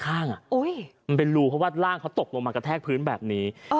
มันเป็นรูเพราะว่าร่างเขาตกลงมากระแทกพื้นแบบนี้